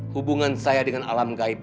hubungan saya dengan alam gaib